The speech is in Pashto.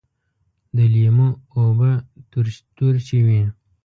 د لیمو اوبه ترشی وي